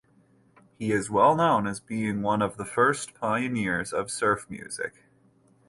He is well known as being one of the first pioneers of surf music.